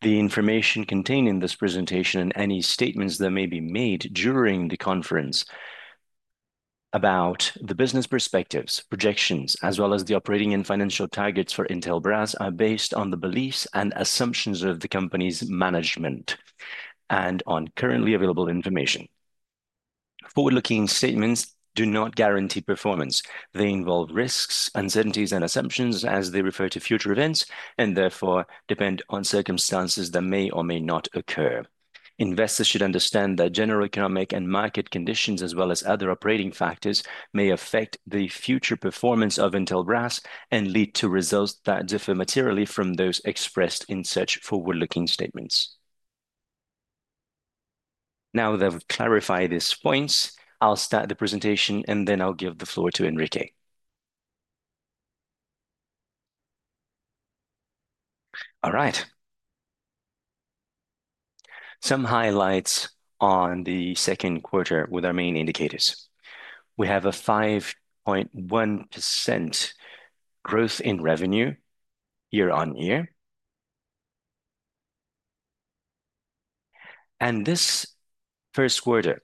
The information contained in this presentation and any statements that may be made during the conference about the business perspectives, projections, as well as the operating and financial targets for Intelbras are based on the beliefs and assumptions of the company's management and on currently available information. Forward-looking statements do not guarantee performance. They involve risks, uncertainties, and assumptions as they refer to future events and therefore depend on circumstances that may or may not occur. Investors should understand that general economic and market conditions, as well as other operating factors, may affect the future performance of Intelbras and lead to results that differ materially from those expressed in such forward-looking statements. Now that we've clarified these points, I'll start the presentation and then I'll give the floor to Enrique. All right. Some highlights on the second quarter with our main indicators. We have a 5.1% growth in revenue year on year. This first quarter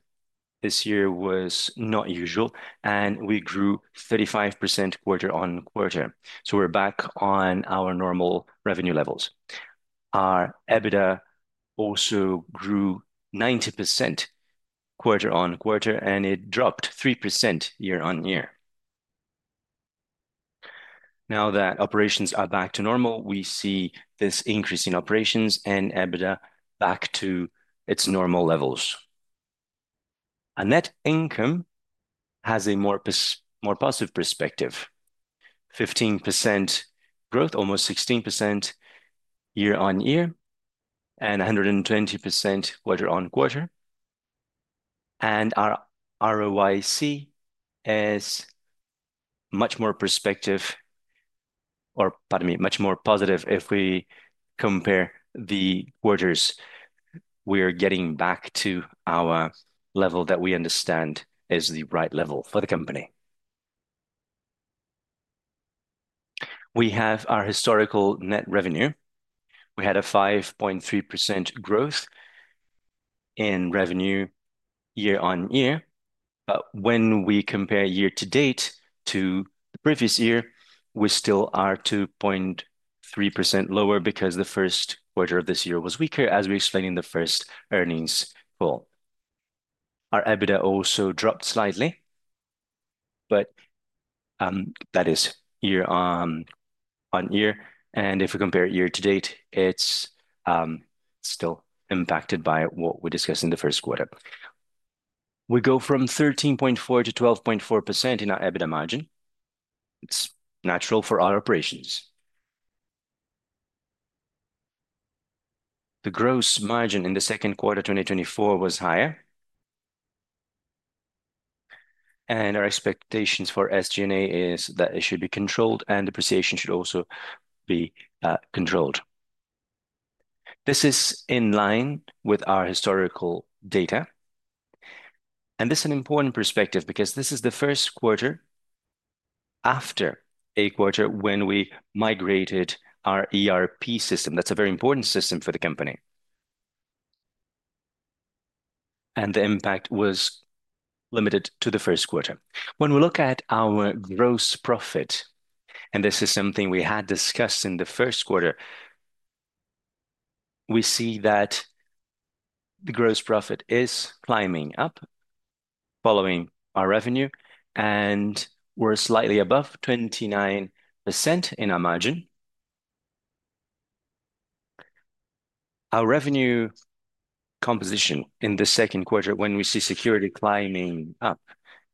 this year was not usual, and we grew 35% quarter on quarter. We're back on our normal revenue levels. Our EBITDA also grew 90% quarter on quarter, and it dropped 3% year on year. Now that operations are back to normal, we see this increase in operations and EBITDA back to its normal levels. Net income has a more positive perspective. 15% growth, almost 16% year on year, and 120% quarter on quarter. Our ROIC is much more positive if we compare the quarters. We are getting back to our level that we understand is the right level for the company. We have our historical net revenue. We had a 5.3% growth in revenue year on year. When we compare year to date to the previous year, we still are 2.3% lower because the first quarter of this year was weaker as we explained in the first earnings call. Our EBITDA also dropped slightly, but that is year on year. If you compare it year to date, it's still impacted by what we discussed in the first quarter. We go from 13.4%-12.4% in our EBITDA margin. It's natural for our operations. The gross margin in the second quarter of 2024 was higher. Our expectations for SG&A is that it should be controlled and depreciation should also be controlled. This is in line with our historical data. This is an important perspective because this is the first quarter after a quarter when we migrated our ERP system. That's a very important system for the company. The impact was limited to the first quarter. When we look at our gross profit, and this is something we had discussed in the first quarter, we see that the gross profit is climbing up following our revenue, and we're slightly above 29% in our margin. Our revenue composition in the second quarter, when we see security climbing up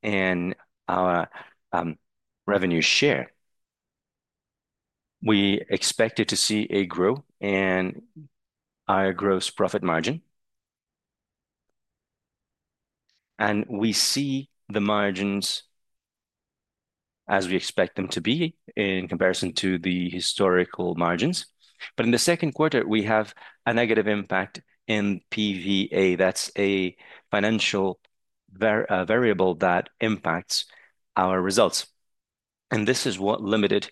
in our revenue share, we expected to see a grow in our gross profit margin. We see the margins as we expect them to be in comparison to the historical margins. In the second quarter, we have a negative impact in PVA. That's a financial variable that impacts our results. This is what limited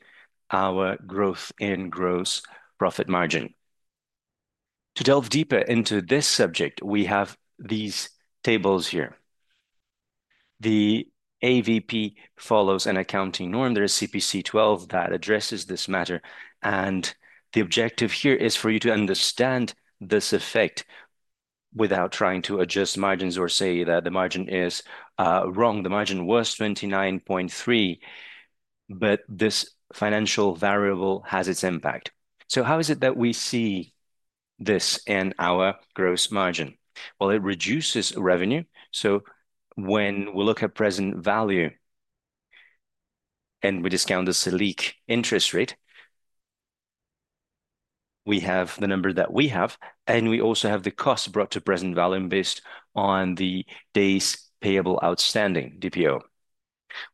our growth in gross profit margin. To delve deeper into this subject, we have these tables here. The AVP follows an accounting norm. There is CPC 12 that addresses this matter. The objective here is for you to understand this effect without trying to adjust margins or say that the margin is wrong. The margin was 29.3%. This financial variable has its impact. How is it that we see this in our gross margin? It reduces revenue. When we look at present value and we discount the SELIC interest rate, we have the number that we have, and we also have the cost brought to present value based on the days payable outstanding, DPO.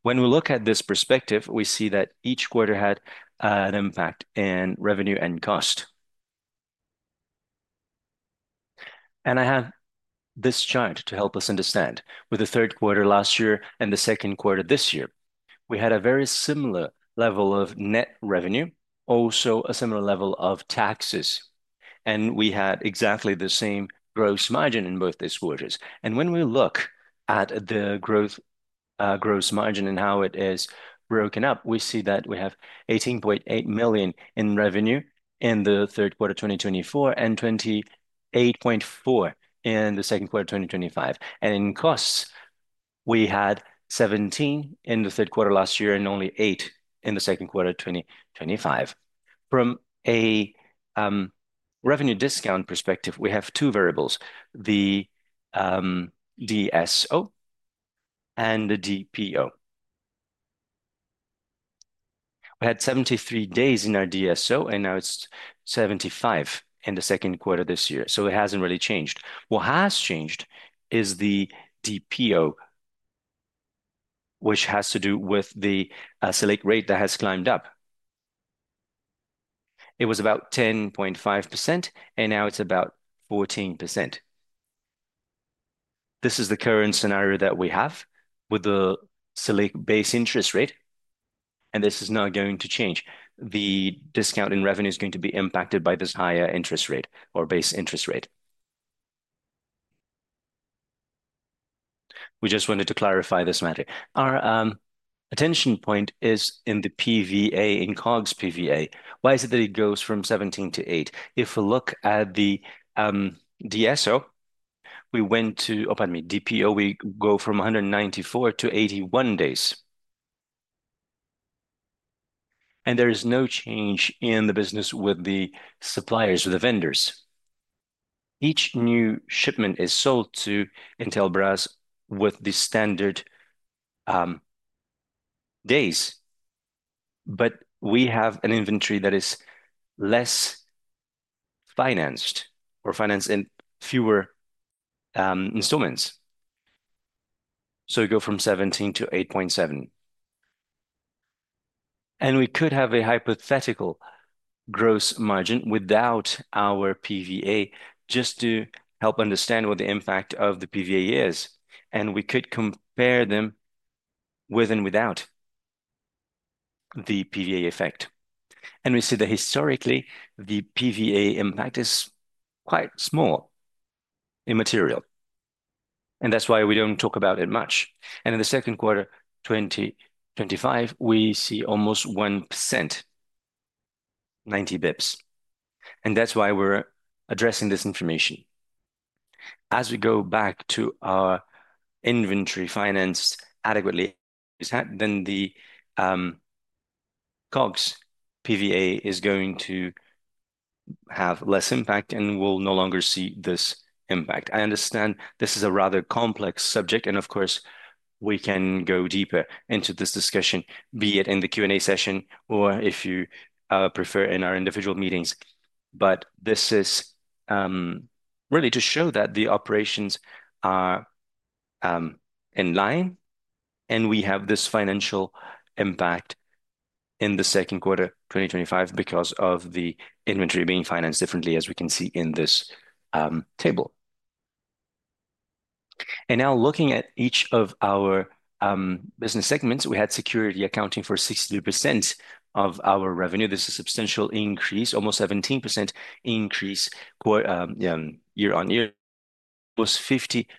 When we look at this perspective, we see that each quarter had an impact in revenue and cost. I have this chart to help us understand. With the third quarter last year and the second quarter this year, we had a very similar level of net revenue, also a similar level of taxes. We had exactly the same gross margin in both these quarters. When we look at the gross margin and how it is broken up, we see that we have 18.8 million in revenue in the third quarter of 2024 and 28.4 million in the second quarter of 2025. In costs, we had 17 million in the third quarter last year and only 8 million on in the second quarter of 2025. From a revenue discount perspective, we have two variables: the DSO and the DPO. We had 73 days in our DSO, and now it's 75 in the second quarter this year. It hasn't really changed. What has changed is the DPO, which has to do with the SELIC rate that has climbed up. It was about 10.5%, and now it's about 14%. This is the current scenario that we have with the SELIC base interest rate, and this is not going to change. The discount in revenue is going to be impacted by this higher interest rate or base interest rate. We just wanted to clarify this matter. Our attention point is in the PVA, in COGS PVA. Why is it that it goes from 17-8? If we look at the DSO, we went to, oh, pardon me, DPO, we go from 194-81 days. There is no change in the business with the suppliers, with the vendors. Each new shipment is sold Intelbras with the standard days. We have an inventory that is less financed or financed in fewer instruments. We go from 17-8.7. We could have a hypothetical gross margin without our PVA just to help understand what the impact of the PVA is. We could compare them with and without the PVA effect. We see that historically, the PVA impact is quite small, immaterial. That's why we don't talk about it much. In the second quarter of 2025, we see almost 1%, 90 bps. That's why we're addressing this information. As we go back to our inventory financed adequately, the COGS PVA is going to have less impact and we'll no longer see this impact. I understand this is a rather complex subject, and of course, we can go deeper into this discussion, be it in the Q&A session or if you prefer in our individual meetings. This is really to show that the operations are in line and we have this financial impact in the second quarter of 2025 because of the inventory being financed differently, as we can see in this table. Now looking at each of our business segments, we had security accounting for 62% of our revenue. This is a substantial increase, almost 17% increase year on year, almost 50%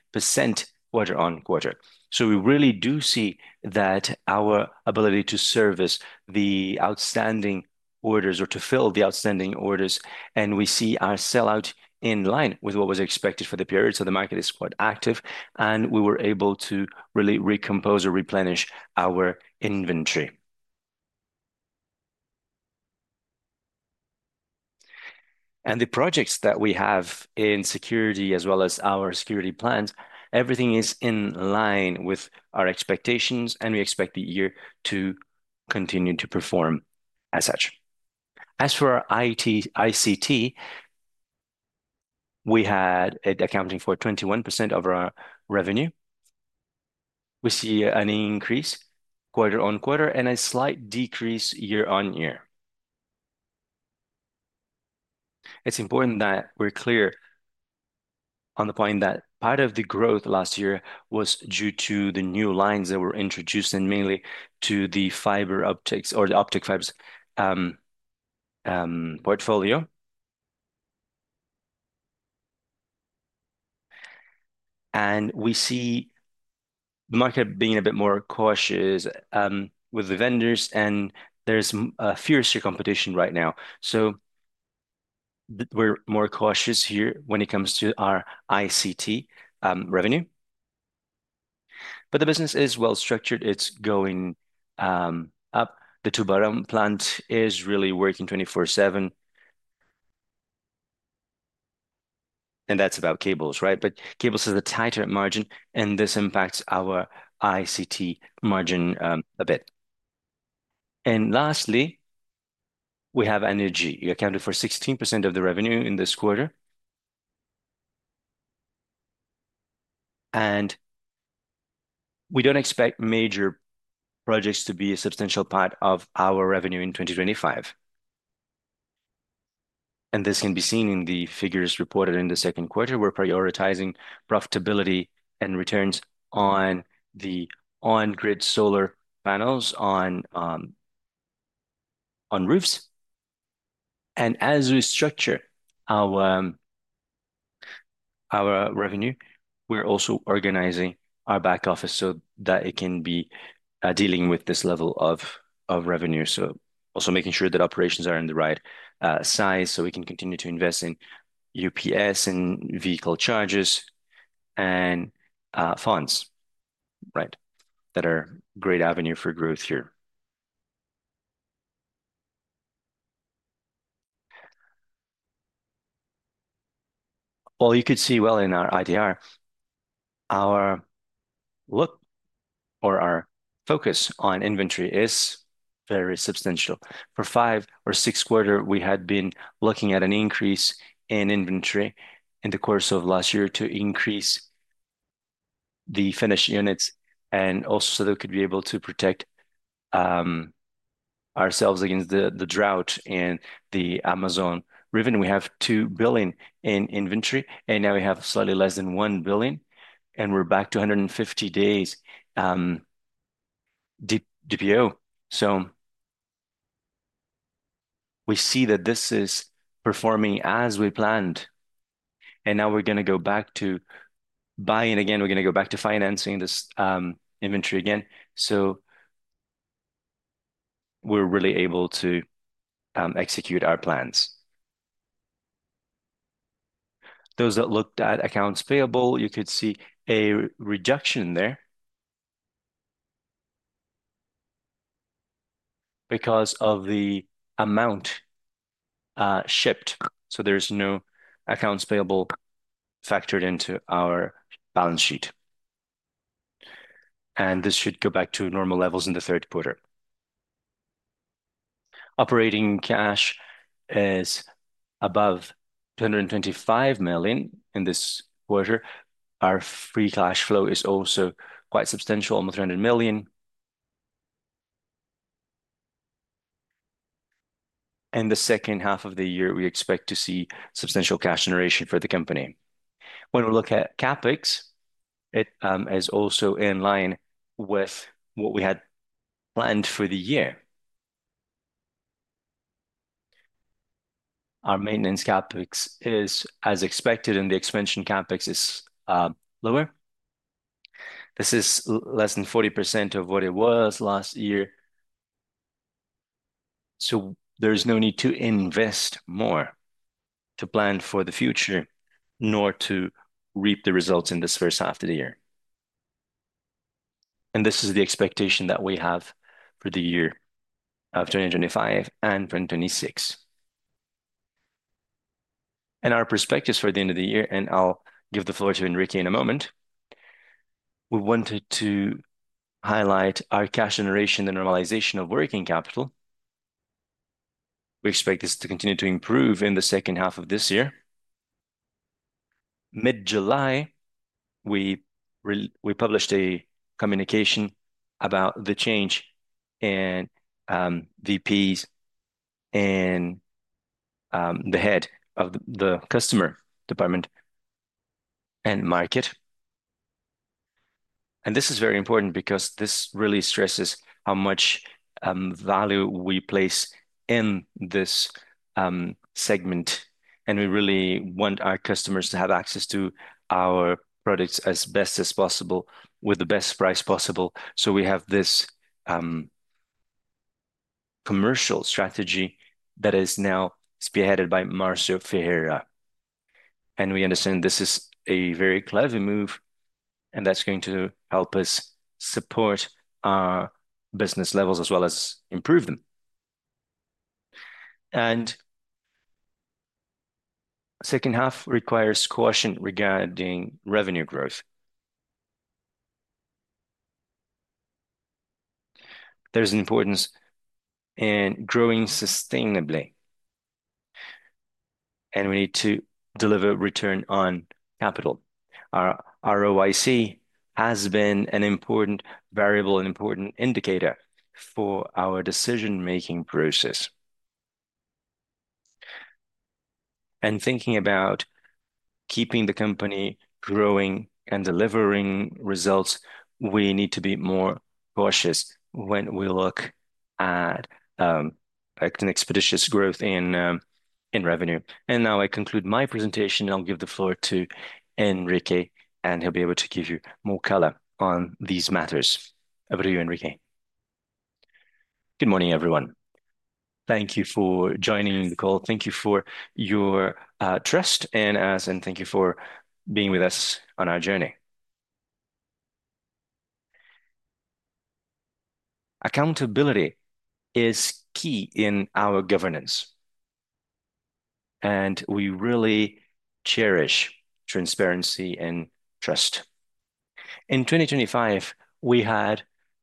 quarter on quarter. We really do see that our ability to service the outstanding orders or to fill the outstanding orders, and we see our sellout in line with what was expected for the period. The market is quite active, and we were able to really recompose or replenish our inventory. The projects that we have in security, as well as our security plans, everything is in line with our expectations, and we expect the year to continue to perform as such. As for our IT/ICT, we had accounting for 21% of our revenue. We see an increase quarter on quarter and a slight decrease year on year. It's important that we're clear on the point that part of the growth last year was due to the new lines that were introduced and mainly to the fiber optics or the optic fibers portfolio. We see the market being a bit more cautious with the vendors, and there's a fiercer competition right now. We're more cautious here when it comes to our ICT revenue. The business is well structured. It's going up. The Tubarão plant is really working 24/7. That's about cables, right? Cables have a tighter margin, and this impacts our ICT margin a bit. Lastly, we have energy. You accounted for 16% of the revenue in this quarter. We don't expect major projects to be a substantial part of our revenue in 2025. This can be seen in the figures reported in the second quarter. We're prioritizing profitability and returns on the on-grid rooftop solar panels. As we structure our revenue, we're also organizing our back office so that it can be dealing with this level of revenue, also making sure that operations are in the right size so we can continue to invest in UPS and vehicle charging solutions and fonts, right, that are a great avenue for growth here. You could see in our IDR, our look or our focus on inventory is very substantial. For five or six quarters, we had been looking at an increase in inventory in the course of last year to increase the finished units and also so that we could be able to protect ourselves against the drought and the Amazon River. We have 2 billion in inventory, and now we have slightly less than 1 billion, and we're back to 150 days DPO. We see that this is performing as we planned. Now we're going to go back to buying again. We're going to go back to financing this inventory again. We're really able to execute our plans. Those that looked at accounts payable could see a reduction there because of the amount shipped. There's no accounts payable factored into our balance sheet. This should go back to normal levels in the third quarter. Operating cash is above 225 million in this quarter. Our free cash flow is also quite substantial, almost 300 million. In the second half of the year, we expect to see substantial cash generation for the company. When we look at CapEx, it is also in line with what we had planned for the year. Our maintenance CapEx is as expected, and the expansion CapEx is lower. This is less than 40% of what it was last year. There is no need to invest more to plan for the future, nor to reap the results in this first half of the year. This is the expectation that we have for the year of 2025 and 2026. Our perspectives for the end of the year, and I'll give the floor to Enrique in a moment. We wanted to highlight our cash generation, the normalization of working capital. We expect this to continue to improve in the second half of this year. In mid-July, we published a communication about the change in VPs and the Head of the Customer Department and Market. This is very important because this really stresses how much value we place in this segment. We really want our customers to have access to our products as best as possible with the best price possible. We have this commercial strategy that is now spearheaded by Marcio Ferreira. We understand this is a very clever move, and that's going to help us support our business levels as well as improve them. The second half requires caution regarding revenue growth. There is an importance in growing sustainably, and we need to deliver return on capital. Our ROIC has been an important variable and important indicator for our decision-making process. Thinking about keeping the company growing and delivering results, we need to be more cautious when we look at expeditious growth in revenue. I conclude my presentation, and I'll give the floor to Enrique, and he'll be able to give you more color on these matters. Over to you, Enrique. Good morning, everyone. Thank you for joining the call. Thank you for your trust in us, and thank you for being with us on our journey. Accountability is key in our governance, and we really cherish transparency and trust. In 2025, we had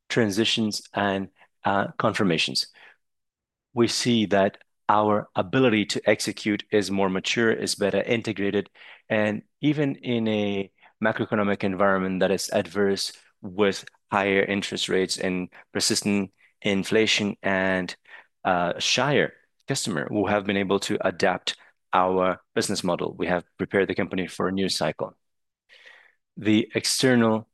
transitions and confirmations. We see that our ability to execute is more mature, is better integrated, and even in a macroeconomic environment that is adverse with higher interest rates and persistent inflation and a shyer customer, we have been able to adapt our business model. We have prepared the company for a new cycle. The external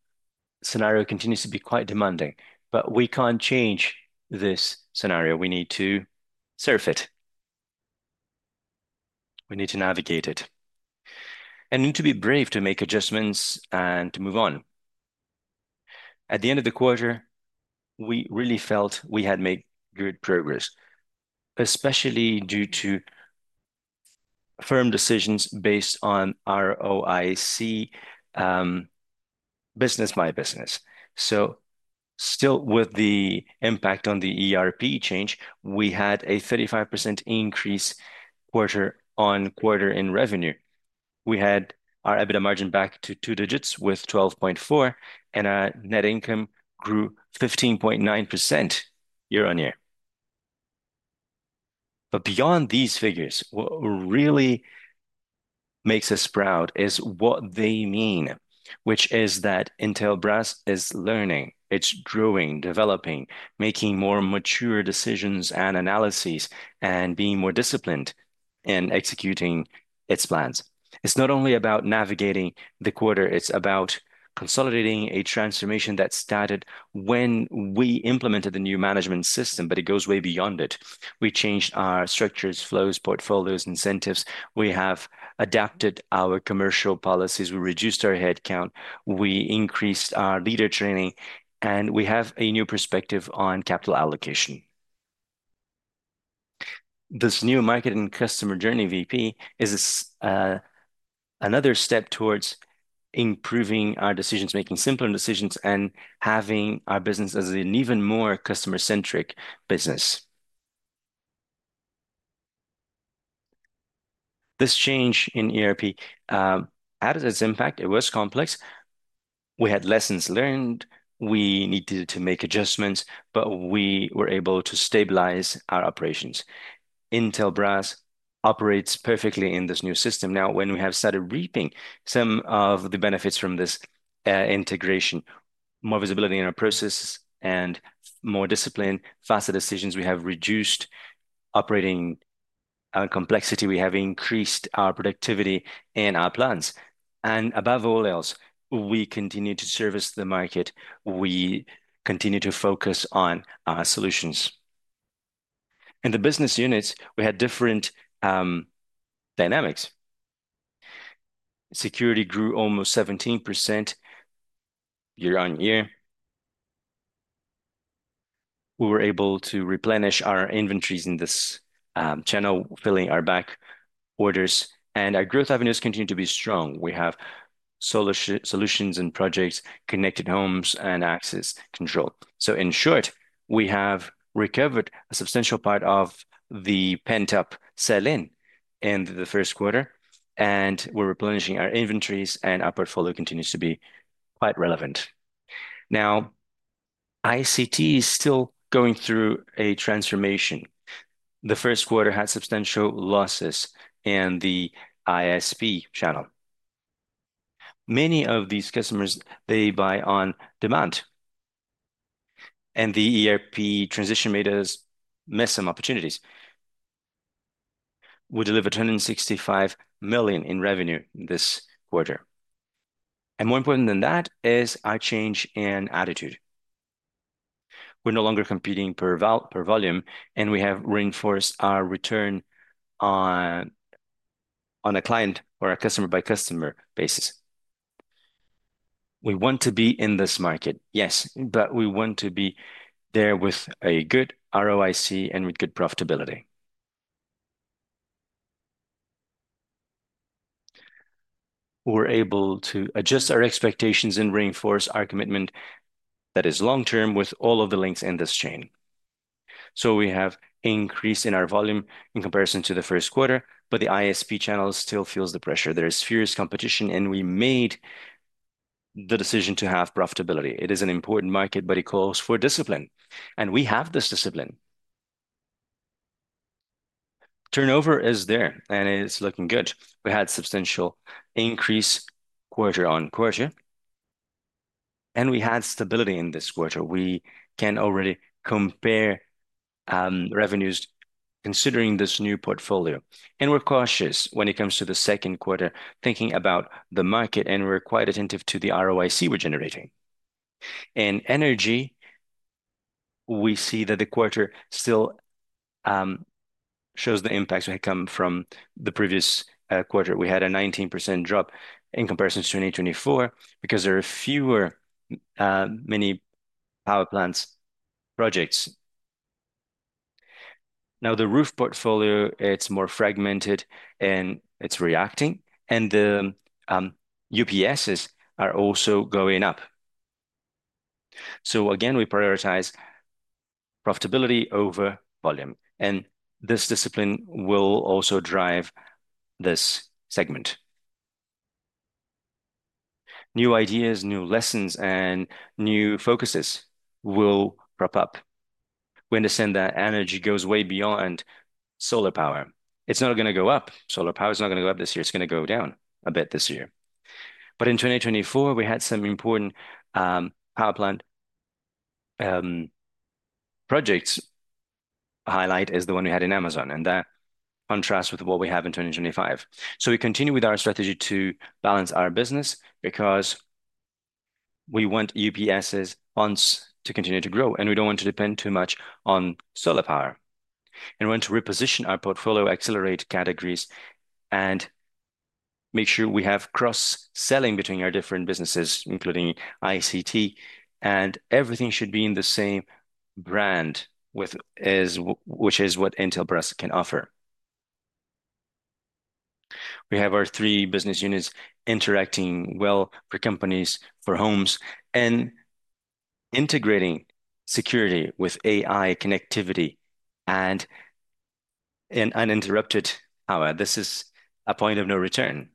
scenario continues to be quite demanding, but we can't change this scenario. We need to surf it. We need to navigate it. We need to be brave to make adjustments and to move on. At the end of the quarter, we really felt we had made good progress, especially due to firm decisions based on ROIC, business by business. Still with the impact on the ERP change, we had a 35% increase quarter on quarter in revenue. We had our EBITDA margin back to two digits with 12.4%, and our net income grew 15.9% year on year. Beyond these figures, what really makes us proud is what they mean, which is that Intelbras is learning. It's growing, developing, making more mature decisions and analyses, and being more disciplined in executing its plans. It's not only about navigating the quarter. It's about consolidating a transformation that started when we implemented the new management system, but it goes way beyond it. We changed our structures, flows, portfolios, incentives. We have adapted our commercial policies. We reduced our headcount. We increased our leader training, and we have a new perspective on capital allocation. This new Market and Customer Journey Vice President is another step towards improving our decisions, making simpler decisions, and having our business as an even more customer-centric business. This change in ERP had its impact. It was complex. We had lessons learned. We needed to make adjustments, but we were able to stabilize our operations. Intelbras operates perfectly in this new system. Now, when we have started reaping some of the benefits from this integration, more visibility in our processes and more discipline, faster decisions, we have reduced operating complexity. We have increased our productivity and our plans. Above all else, we continue to service the market. We continue to focus on our solutions. In the business units, we had different dynamics. Security grew almost 17% year-on-year. We were able to replenish our inventories in this channel, filling our back orders, and our growth avenues continue to be strong. We have solar solutions and projects, connected homes, and access control. In short, we have recovered a substantial part of the pent-up sell-in in the first quarter, and we're replenishing our inventories, and our portfolio continues to be quite relevant. ICT is still going through a transformation. The first quarter had substantial losses in the ISP channel. Many of these customers, they buy on demand. The ERP transition made us miss some opportunities. We delivered 165 million in revenue this quarter. More important than that is our change in attitude. We're no longer competing per volume, and we have reinforced our return on a client or a customer-by-customer basis. We want to be in this market, yes, but we want to be there with a good ROIC and with good profitability. We're able to adjust our expectations and reinforce our commitment that is long-term with all of the links in this chain. We have an increase in our volume in comparison to the first quarter, but the ISP channel still feels the pressure. There is fierce competition, and we made the decision to have profitability. It is an important market, but it calls for discipline. We have this discipline. Turnover is there, and it's looking good. We had a substantial increase quarter-on-quarter, and we had stability in this quarter. We can already compare revenues considering this new portfolio. We're cautious when it comes to the second quarter, thinking about the market, and we're quite attentive to the ROIC we're generating. In energy, we see that the quarter still shows the impacts that have come from the previous quarter. We had a 19% drop in comparison to 2024 because there are fewer mini power plant projects. Now, the roof portfolio is more fragmented, and it's reacting. The UPSs are also going up. We prioritize profitability over volume, and this discipline will also drive this segment. New ideas, new lessons, and new focuses will prop up. We understand that energy goes way beyond solar power. It's not going to go up. Solar power is not going to go up this year. It's going to go down a bit this year. In 2024, we had some important power plant projects. A highlight is the one we had in Amazon, and that contrasts with what we have in 2025. We continue with our strategy to balance our business because we want UPSs to continue to grow, and we don't want to depend too much on solar power. We want to reposition our portfolio, accelerate categories, and make sure we have cross-selling between our different businesses, including ICT. Everything should be in the same brand, which is what Intelbras can offer. We have our three business units interacting well for companies, for homes, and integrating security with AI connectivity and uninterrupted power. This is a point of no return.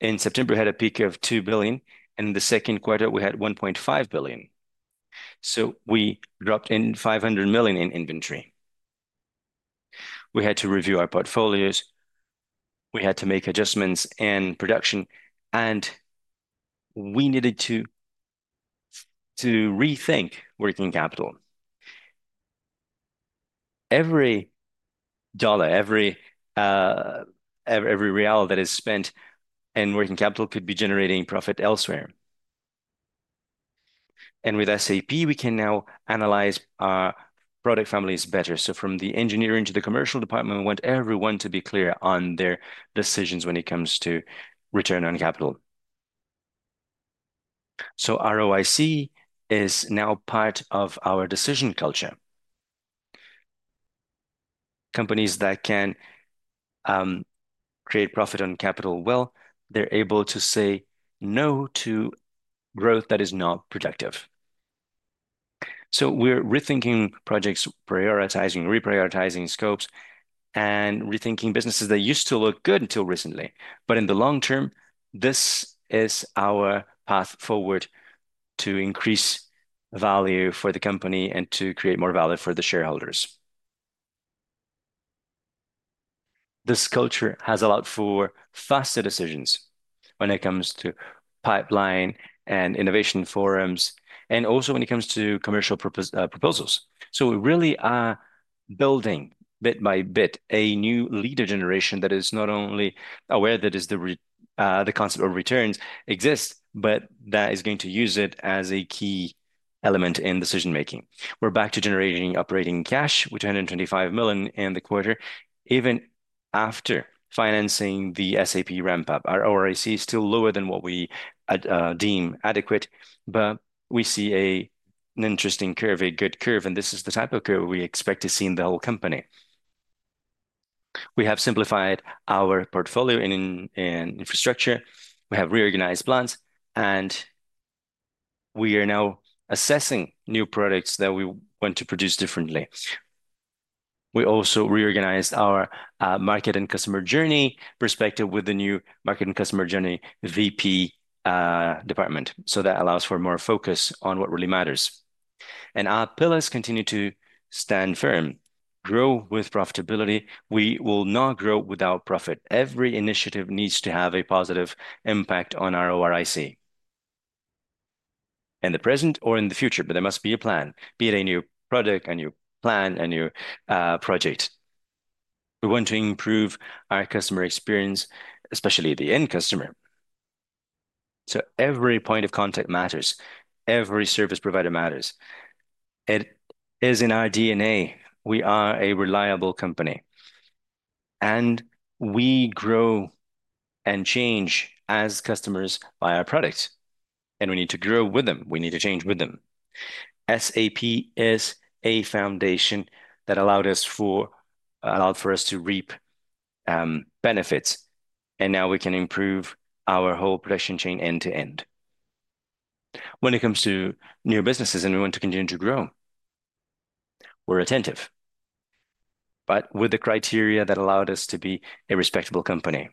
In September, we had a peak of 2 billion, and in the second quarter, we had 1.5 billion. We dropped 500 million in inventory. We had to review our portfolios, make adjustments in production, and rethink working capital. Every dollar, every real that is spent in working capital could be generating profit elsewhere. With SAP ERP, we can now analyze our product families better. From the engineering to the commercial department, we want everyone to be clear on their decisions when it comes to return on capital. ROIC is now part of our decision culture. Companies that can create profit on capital well, they're able to say no to growth that is not productive. We're rethinking projects, prioritizing, reprioritizing scopes, and rethinking businesses that used to look good until recently. In the long term, this is our path forward to increase value for the company and to create more value for the shareholders. This culture has allowed for faster decisions when it comes to pipeline and innovation forums, and also when it comes to commercial proposals. We really are building bit by bit a new leader generation that is not only aware that the concept of returns exists, but that is going to use it as a key element in decision-making. We're back to generating operating cash, which is 125 million in the quarter, even after financing the SAP ERP ramp-up. Our ROIC is still lower than what we deem adequate, but we see an interesting curve, a good curve, and this is the type of curve we expect to see in the whole company. We have simplified our portfolio in infrastructure. We have reorganized plants, and we are now assessing new products that we want to produce differently. We also reorganized our market and customer journey perspective with the new Market and Customer Journey VP department. That allows for more focus on what really matters. Our pillars continue to stand firm. Grow with profitability. We will not grow without profit. Every initiative needs to have a positive impact on our ROIC in the present or in the future, but there must be a plan, be it a new product, a new plan, a new project. We want to improve our customer experience, especially the end customer. Every point of contact matters. Every service provider matters. It is in our DNA. We are a reliable company. We grow and change as customers buy our products. We need to grow with them. We need to change with them. SAP ERP is a foundation that allowed us to reap benefits. Now we can improve our whole production chain end to end. When it comes to new businesses, and we want to continue to grow, we're attentive. With the criteria that allowed us to be a respectable company,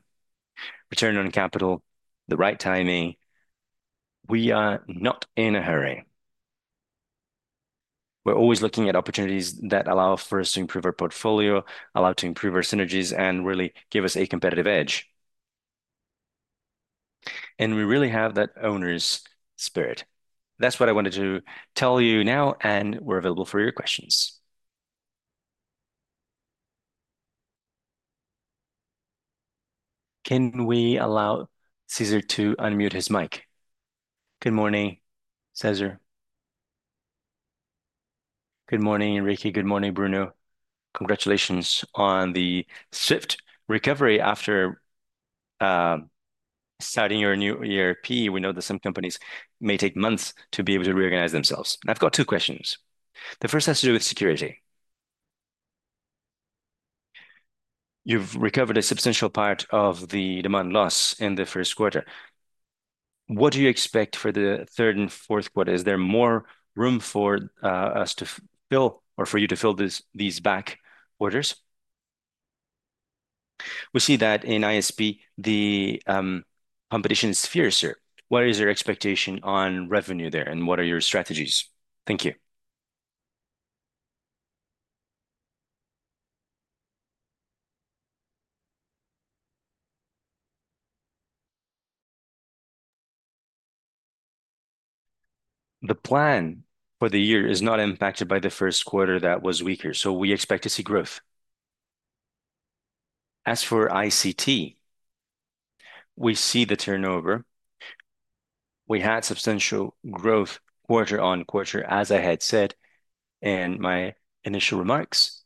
return on capital, the right timing, we are not in a hurry. We're always looking at opportunities that allow for us to improve our portfolio, allow to improve our synergies, and really give us a competitive edge. We really have that owner's spirit. That's what I wanted to tell you now, and we're available for your questions. Can we allow Cesar to unmute his mic? Good morning, Cesar. Good morning, Enrique. Good morning, Bruno. Congratulations on the swift recovery after starting your new ERP. We know that some companies may take months to be able to reorganize themselves. I've got two questions. The first has to do with security. You've recovered a substantial part of the demand loss in the first quarter. What do you expect for the third and fourth quarter? Is there more room for us to fill or for you to fill these back orders? We see that in ISP, the competition is fiercer. What is your expectation on revenue there, and what are your strategies? Thank you. The plan for the year is not impacted by the first quarter that was weaker. We expect to see growth. As for ICT, we see the turnover. We had substantial growth quarter on quarter, as I had said in my initial remarks.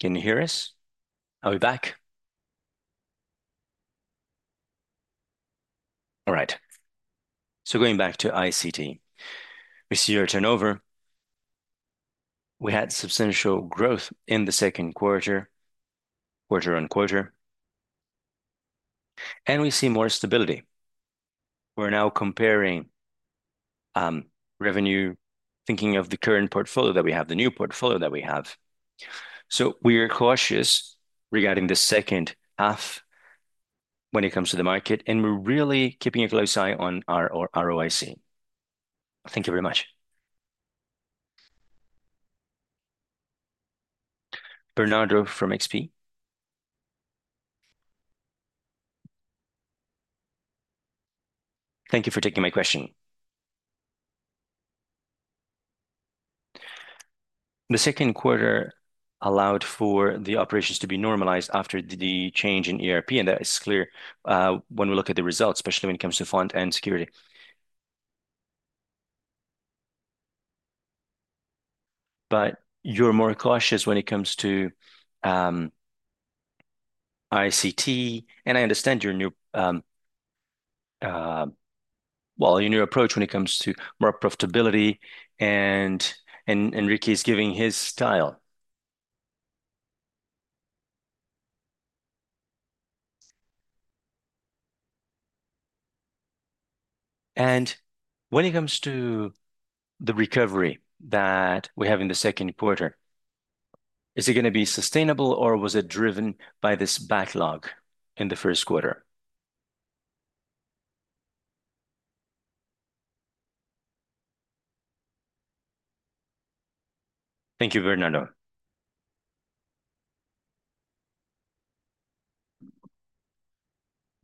Can you hear us? Are we back? All right. Going back to ICT, we see your turnover. We had substantial growth in the second quarter, quarter on quarter. We see more stability. We're now comparing revenue, thinking of the current portfolio that we have, the new portfolio that we have. We are cautious regarding the second half when it comes to the market, and we're really keeping a close eye on our ROIC. Thank you very much. Bernardo from XP. Thank you for taking my question. The second quarter allowed for the operations to be normalized after the change in ERP, and that is clear when we look at the results, especially when it comes to fund and security. You're more cautious when it comes to ICT, and I understand your new, your new approach when it comes to more profitability, and Enrique is giving his style. When it comes to the recovery that we have in the second quarter, is it going to be sustainable, or was it driven by this backlog in the first quarter? Thank you, Bernardo.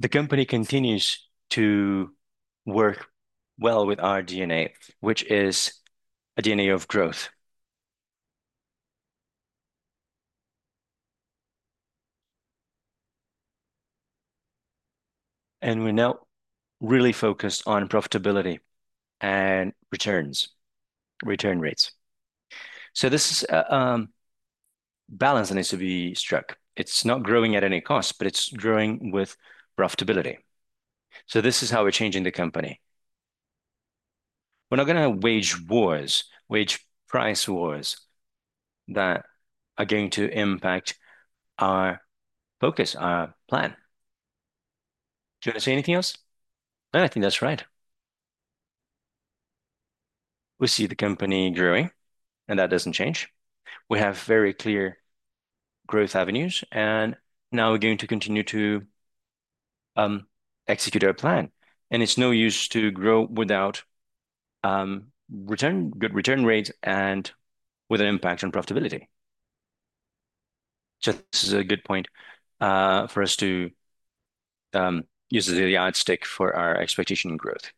The company continues to work well with our DNA, which is a DNA of growth. We're now really focused on profitability and returns, return rates. This is a balance that needs to be struck. It's not growing at any cost, but it's growing with profitability. This is how we're changing the company. We're not going to wage wars, wage price wars that are going to impact our focus, our plan. Do you want to say anything else? No, I think that's right. We see the company growing, and that doesn't change. We have very clear growth avenues, and now we're going to continue to execute our plan. It's no use to grow without good return rate and with an impact on profitability. This is a good point for us to use the yardstick for our expectation growth.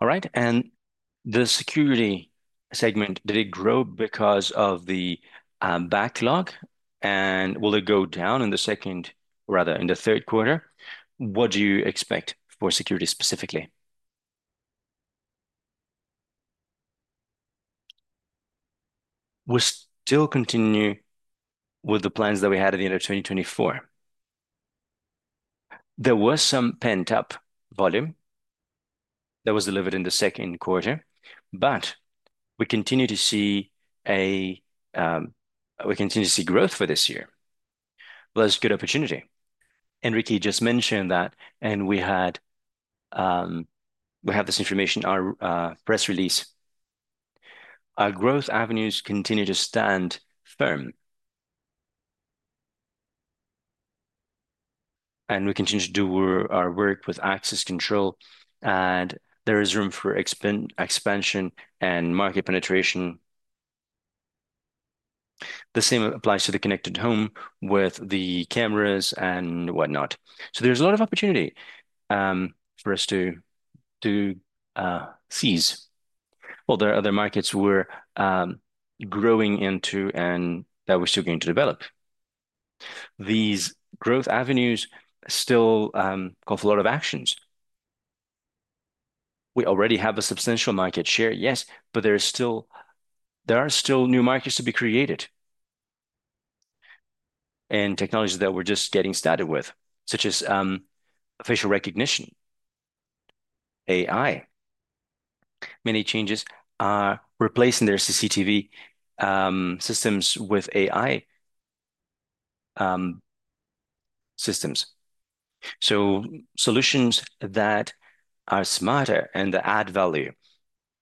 All right. The security segment, did it grow because of the backlog, and will it go down in the second, rather in the third quarter? What do you expect for security specifically? We'll still continue with the plans that we had at the end of 2024. There was some pent-up volume that was delivered in the second quarter, but we continue to see growth for this year. It's a good opportunity. Enrique just mentioned that, and we had this information, our press release. Our growth avenues continue to stand firm. We continue to do our work with access control, and there is room for expansion and market penetration. The same applies to the connected home with the cameras and whatnot. There's a lot of opportunity for us to seize. All the other markets we're growing into, and that we're still going to develop. These growth avenues still call for a lot of actions. We already have a substantial market share, yes, but there are still new markets to be created in technologies that we're just getting started with, such as facial recognition, AI. Many changes are replacing their CCTV systems with AI systems. Solutions that are smarter and that add value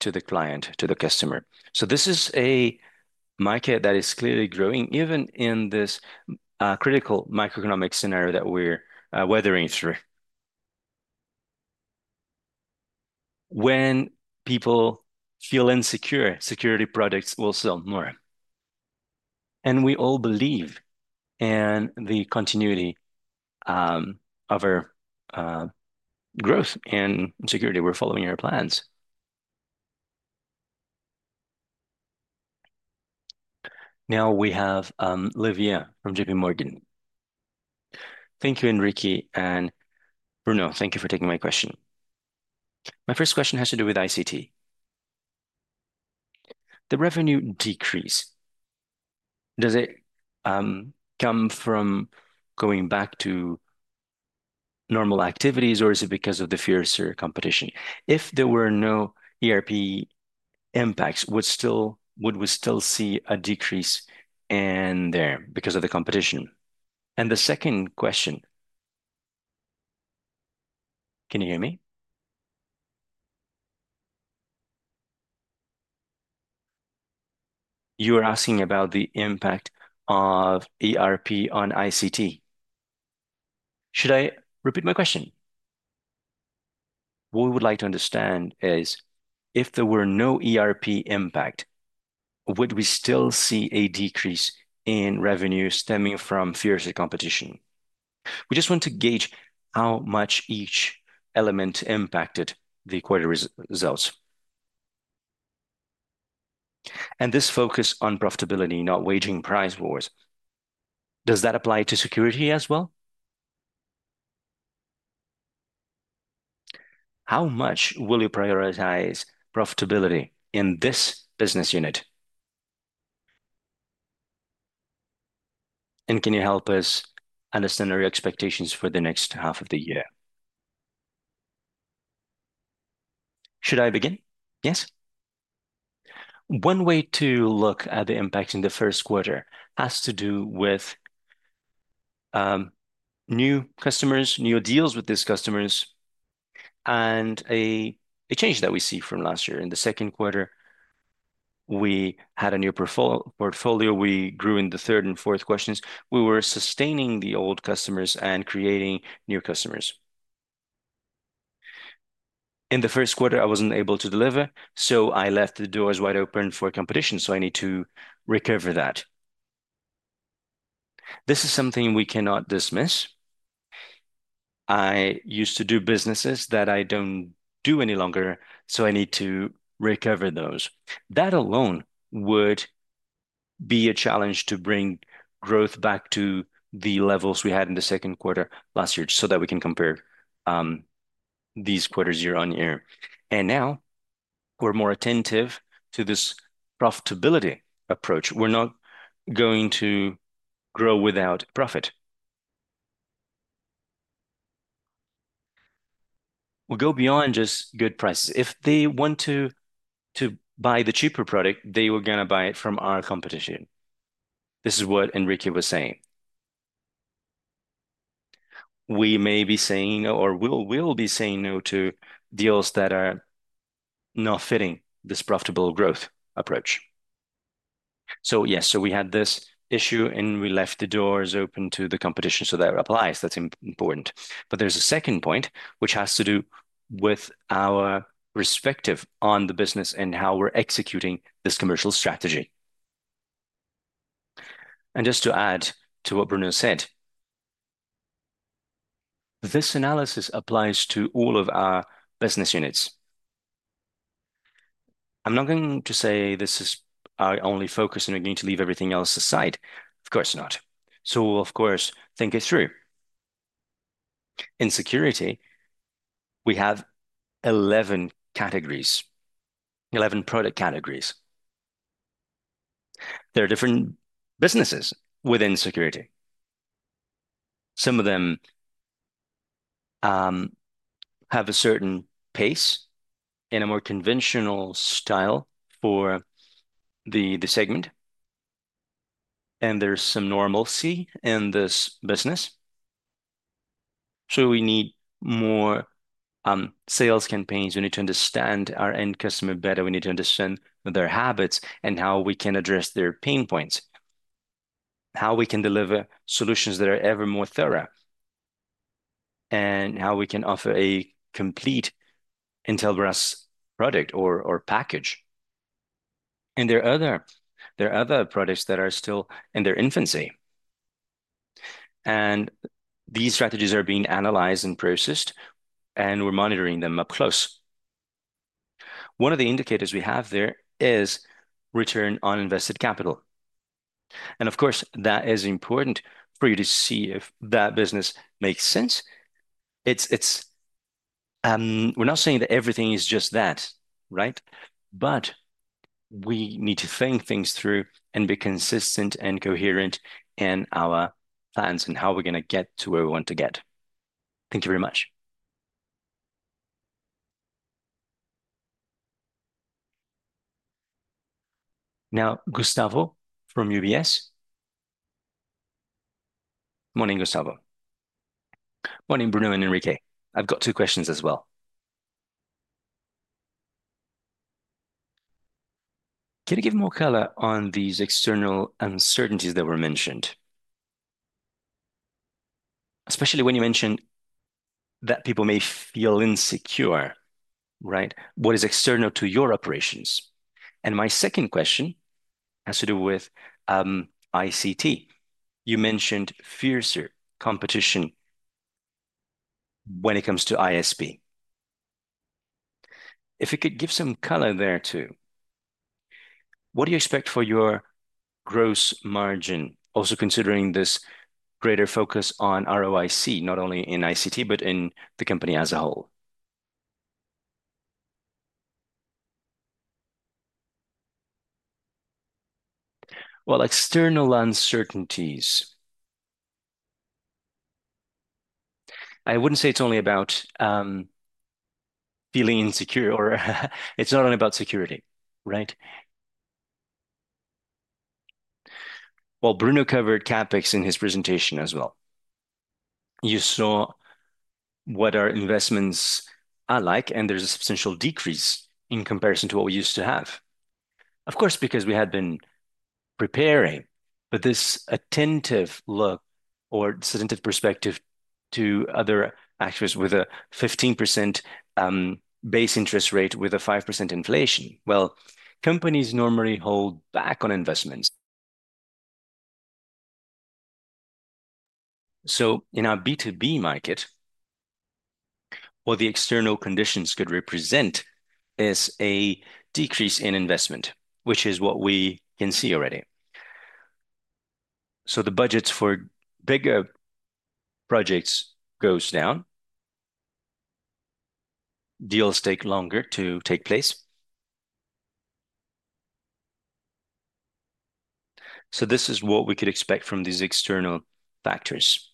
to the client, to the customer. This is a market that is clearly growing, even in this critical microeconomic scenario that we're weathering through. When people feel insecure, security products will sell more. We all believe in the continuity of our growth in security. We're following our plans. Now we have Livia from JPMorgan Chase. Thank you, Enrique, and Bruno. Thank you for taking my question. My first question has to do with ICT. The revenue decrease, does it come from going back to normal activities, or is it because of the fiercer competition? If there were no ERP impacts, would we still see a decrease in there because of the competition? The second question, can you hear me? You were asking about the impact of ERP on ICT. Should I repeat my question? What we would like to understand is if there were no ERP impact, would we still see a decrease in revenue stemming from fiercer competition? We just want to gauge how much each element impacted the quarter results. This focus on profitability, not waging price wars, does that apply to security as well? How much will you prioritize profitability in this business unit? Can you help us understand our expectations for the next half of the year? Should I begin? Yes. One way to look at the impacts in the first quarter has to do with new customers, new deals with these customers, and a change that we see from last year. In the second quarter, we had a new portfolio. We grew in the third and fourth quarters. We were sustaining the old customers and creating new customers. In the first quarter, I wasn't able to deliver, so I left the doors wide open for competition. I need to recover that. This is something we cannot dismiss. I used to do businesses that I don't do any longer, so I need to recover those. That alone would be a challenge to bring growth back to the levels we had in the second quarter last year so that we can compare these quarters year on year. Now we're more attentive to this profitability approach. We're not going to grow without profit. We'll go beyond just good prices. If they want to buy the cheaper product, they were going to buy it from our competition. This is what Enrique was saying. We may be saying no, or we'll be saying no to deals that are not fitting this profitable growth approach. Yes, we had this issue, and we left the doors open to the competition. That applies. That's important. There's a second point which has to do with our perspective on the business and how we're executing this commercial strategy. Just to add to what Bruno said, this analysis applies to all of our business units. I'm not going to say this is our only focus, and we need to leave everything else aside. Of course not. We'll, of course, think this through. In security, we have 11 categories, 11 product categories. There are different businesses within security. Some of them have a certain pace in a more conventional style for the segment. There's some normalcy in this business. We need more sales campaigns. We need to understand our end customer better. We need to understand their habits and how we can address their pain points, how we can deliver solutions that are ever more thorough, and how we can offer a complete Intelbras product or package. There are other products that are still in their infancy. These strategies are being analyzed and processed, and we're monitoring them up close. One of the indicators we have there is return on invested capital. Of course, that is important for you to see if that business makes sense. We're not saying that everything is just that, right? We need to think things through and be consistent and coherent in our plans and how we're going to get to where we want to get. Thank you very much. Now, Gustavo from UBS. Morning, Gustavo. Morning, Bruno and Enrique. I've got two questions as well. Can you give more color on these external uncertainties that were mentioned? Especially when you mentioned that people may feel insecure, right? What is external to your operations? My second question has to do with ICT. You mentioned fiercer competition when it comes to ISP. If you could give some color there too, what do you expect for your gross margin, also considering this greater focus on ROIC, not only in ICT but in the company as a whole? External uncertainties. I wouldn't say it's only about feeling insecure, or it's not only about security, right? Bruno covered CapEx in his presentation as well. You saw what our investments are like, and there's a substantial decrease in comparison to what we used to have. Of course, because we had been preparing. This attentive look or this attentive perspective to other actors with a 15% base interest rate with a 5% inflation. Companies normally hold back on investments. In our B2B market, what the external conditions could represent is a decrease in investment, which is what we can see already. The budgets for bigger projects go down. Deals take longer to take place. This is what we could expect from these external factors.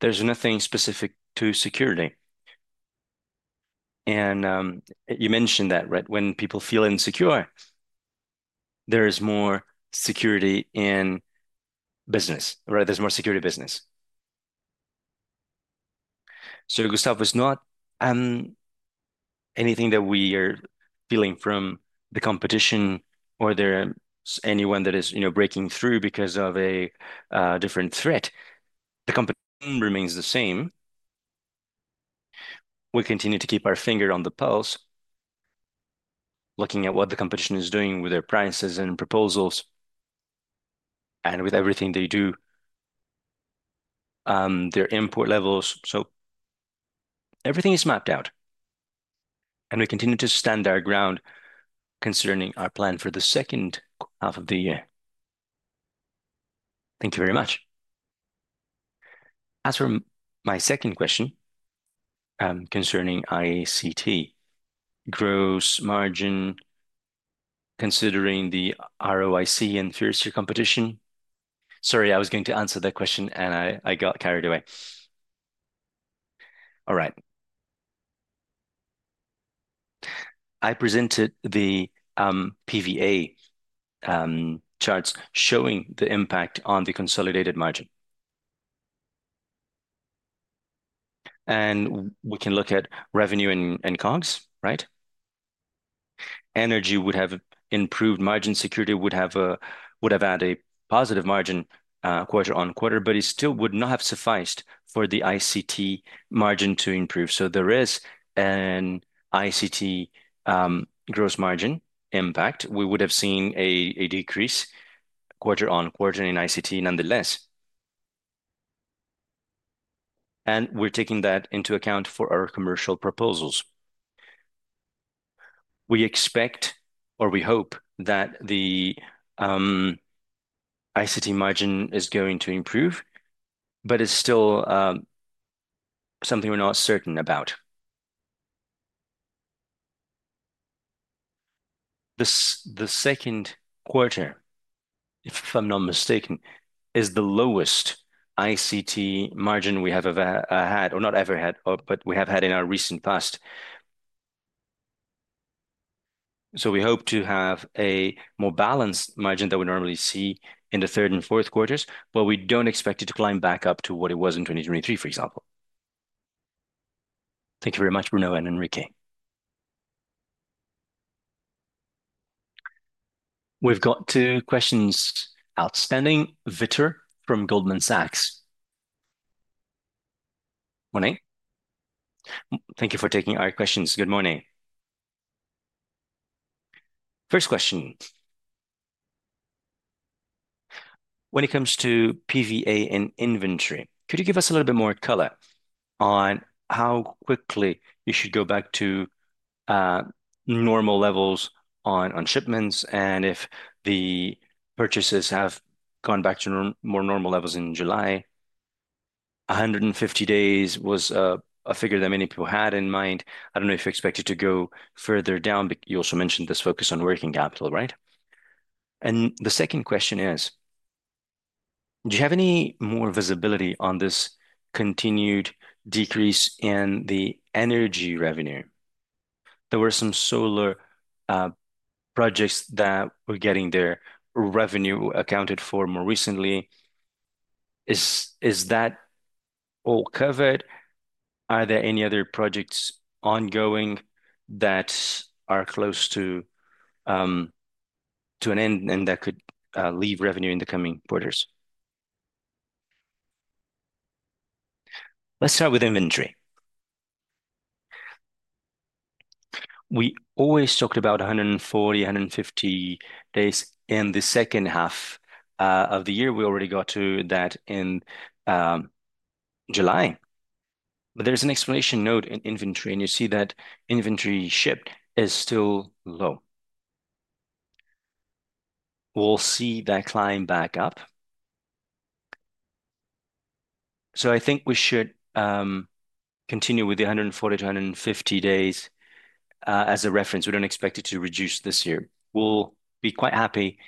There's nothing specific to security. You mentioned that, right? When people feel insecure, there is more security in business, right? There's more security in business. Gustavo, it's not anything that we are feeling from the competition or anyone that is breaking through because of a different threat. The competition remains the same. We continue to keep our finger on the pulse, looking at what the competition is doing with their prices and proposals and with everything they do, their import levels. Everything is mapped out. We continue to stand our ground concerning our plan for the second half of the year. Thank you very much. As for my second question concerning ICT, gross margin, considering the ROIC and fiercer competition. Sorry, I was going to answer that question, and I got carried away. All right. I presented the PVA charts showing the impact on the consolidated margin. We can look at revenue and COGS, right? Energy would have improved margin. Security would have had a positive margin quarter on quarter, but it still would not have sufficed for the ICT margin to improve. There is an ICT gross margin impact. We would have seen a decrease quarter on quarter in ICT nonetheless. We're taking that into account for our commercial proposals. We expect, or we hope, that the ICT margin is going to improve, but it's still something we're not certain about. The second quarter, if I'm not mistaken, is the lowest ICT margin we have had in our recent past. We hope to have a more balanced margin than we normally see in the third and fourth quarters, but we don't expect it to climb back up to what it was in 2023, for example. Thank you very much, Bruno and Enrique. We've got two questions outstanding. Victor from Goldman Sachs. Morning. Thank you for taking our questions. Good morning. First question. When it comes to PVA and inventory, could you give us a little bit more color on how quickly you should go back to normal levels on shipments and if the purchases have gone back to more normal levels in July? 150 days was a figure that many people had in mind. I don't know if you expect it to go further down, but you also mentioned this focus on working capital, right? The second question is, do you have any more visibility on this continued decrease in the energy revenue? There were some solar projects that were getting their revenue accounted for more recently. Is that all covered? Are there any other projects ongoing that are close to an end and that could leave revenue in the coming quarters? Let's start with inventory. We always talked about 140, 150 days in the second half of the year. We already got to that in July. There's an explanation note in inventory, and you see that inventory shipped is still low. We'll see that climb back up. I think we should continue with the 140-150 days as a reference. We don't expect it to reduce this year. We'll be quite happy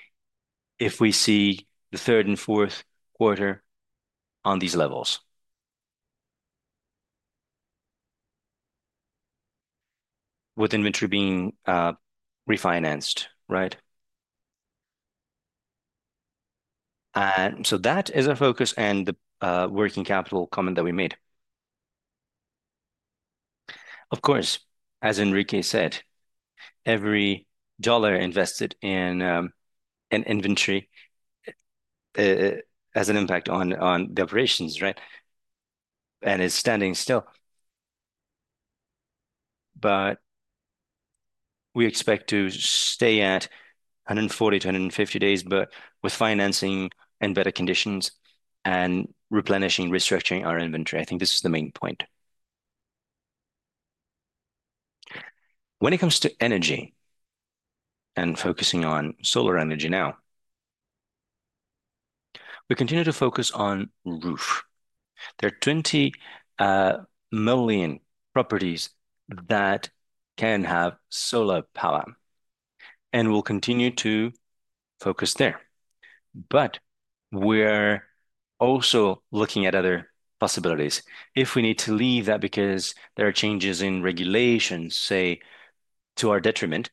if we see the third and fourth quarter on these levels with inventory being refinanced, right? That is our focus and the working capital comment that we made. Of course, as Enrique said, every dollar invested in inventory has an impact on the operations, right? It's standing still. We expect to stay at 140-150 days, with financing and better conditions and replenishing, restructuring our inventory. I think this is the main point. When it comes to energy and focusing on solar energy now, we continue to focus on roof. There are 20 million properties that can have solar power, and we'll continue to focus there. We're also looking at other possibilities. If we need to leave that because there are changes in regulations, say, to our detriment,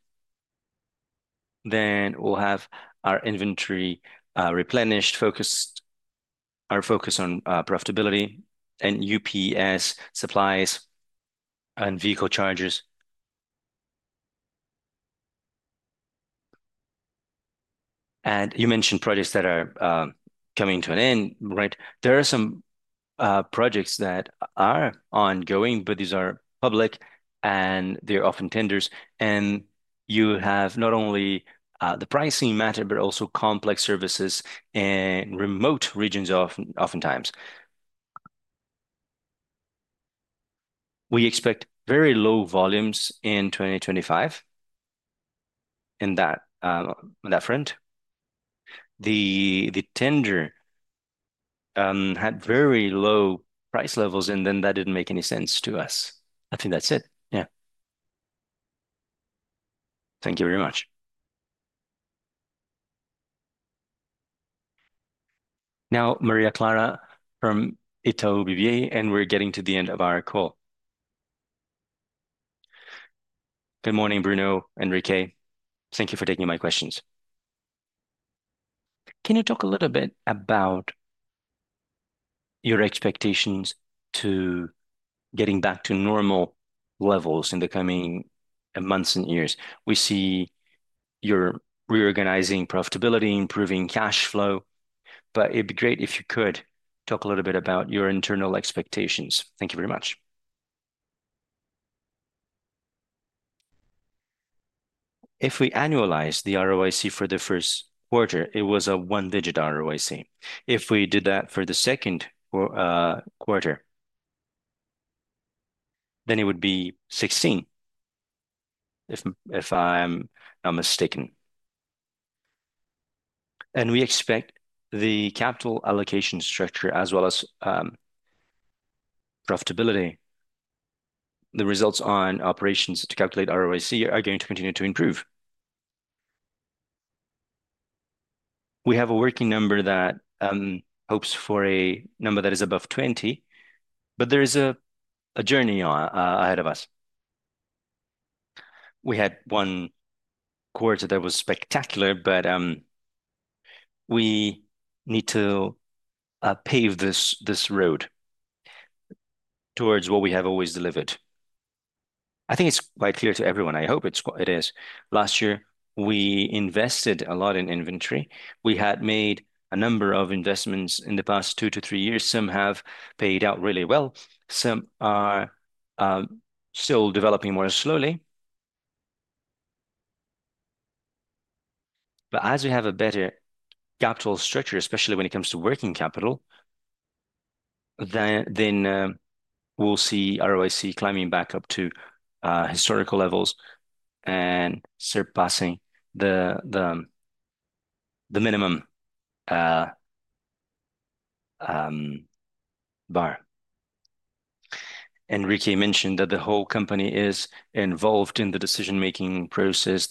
then we'll have our inventory replenished, our focus on profitability, and UPS supplies and vehicle charges. You mentioned projects that are coming to an end, right? There are some projects that are ongoing, but these are public, and they're often tenders. You have not only the pricing matter, but also complex services in remote regions oftentimes. We expect very low volumes in 2025 on that front. The tender had very low price levels, and that didn't make any sense to us. I think that's it. Thank you very much. Now, Maria Clara from Itaú BBA, and we're getting to the end of our call. Good morning, Bruno, Enrique. Thank you for taking my questions. Can you talk a little bit about your expectations to getting back to normal levels in the coming months and years? We see you're reorganizing profitability, improving cash flow, but it'd be great if you could talk a little bit about your internal expectations. Thank you very much. If we annualize the ROIC for the first quarter, it was a one-digit ROIC. If we did that for the second quarter, then it would be 16%, if I'm not mistaken. We expect the capital allocation structure, as well as profitability, the results on operations to calculate ROIC are going to continue to improve. We have a working number that hopes for a number that is above 20%, but there is a journey ahead of us. We had one quarter that was spectacular, but we need to pave this road towards what we have always delivered. I think it's quite clear to everyone. I hope it is. Last year, we invested a lot in inventory. We had made a number of investments in the past two to three years. Some have paid out really well. Some are still developing more slowly. As we have a better capital structure, especially when it comes to working capital, then we'll see ROIC climbing back up to historical levels and surpassing the minimum bar. Enrique mentioned that the whole company is involved in the decision-making process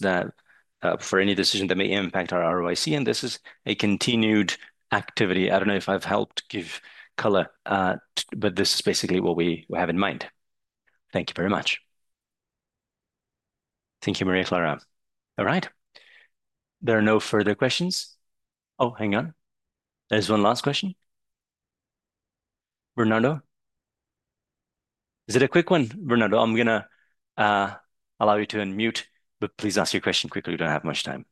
for any decision that may impact our ROIC, and this is a continued activity. I don't know if I've helped give color, but this is basically what we have in mind. Thank you very much. Thank you, Maria Clara. All right. There are no further questions. Oh, hang on. There's one last question. Bernardo? Is it a quick one, Bernardo? I'm going to allow you to unmute, but please ask your question quickly. We don't have much time.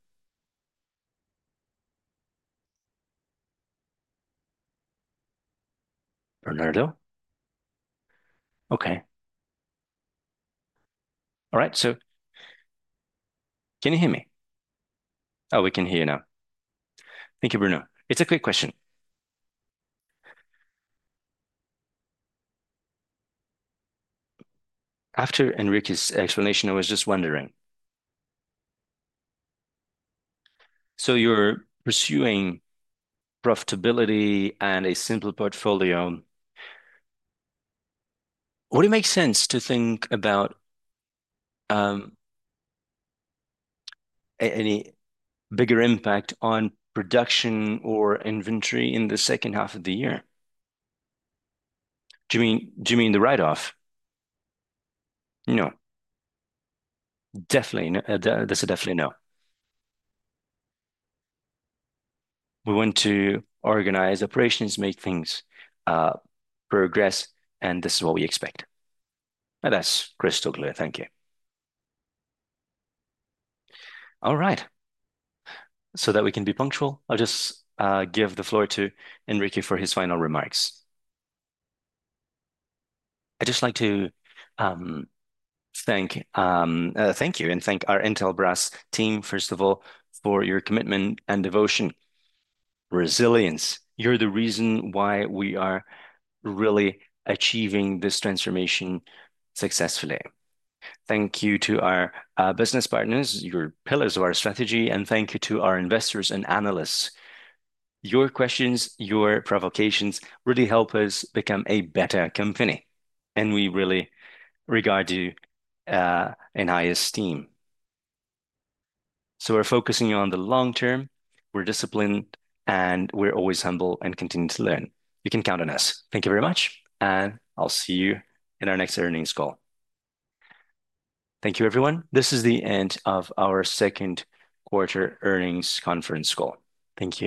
Bernardo? Okay. All right. Can you hear me? Oh, we can hear you now. Thank you, Bruno. It's a quick question. After Enrique's explanation, I was just wondering, you're pursuing profitability and a simple portfolio. Would it make sense to think about any bigger impact on production or inventory in the second half of the year? Do you mean the write-off? No. Definitely. That's a definitely no. We want to organize operations, make things progress, and this is what we expect. That's crystal clear. Thank you. All right. To be punctual, I'll just give the floor to Enrique for his final remarks. I'd just like to thank you and thank our Intelbras team, first of all, for your commitment and devotion, resilience. You're the reason why we are really achieving this transformation successfully. Thank you to our business partners, your pillars of our strategy, and thank you to our investors and analysts. Your questions, your provocations really help us become a better company, and we really regard you in high esteem. We're focusing on the long term. We're disciplined, and we're always humble and continue to learn. You can count on us. Thank you very much, and I'll see you in our next earnings call. Thank you, everyone. This is the end of our second quarter earnings conference call. Thank you.